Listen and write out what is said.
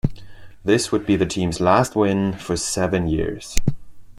This would be the team's last win for seven years.